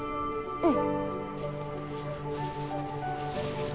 うん。